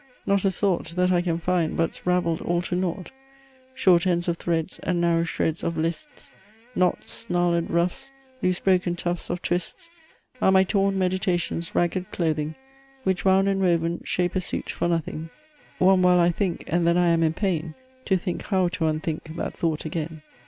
Not a thought, That I can find, But's ravell'd All to nought! Short ends of threds, And narrow shreds Of lists, Knots, snarled ruffs, Loose broken tufts Of twists, Are my torn meditations ragged clothing, Which, wound and woven, shape a suit for nothing: One while I think, and then I am in pain To think how to unthink that thought again.